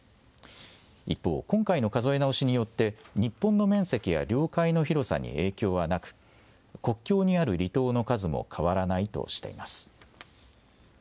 一方、今回の数え直しによって日本の面積や領海の広さに影響はなく国境にある離島の数も変わらないとしています。